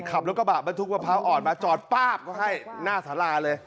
ขับรถกระบะบรรทุกมะพร้าวอ่อนมาจอดป้าบก็ให้หน้าสาราเลย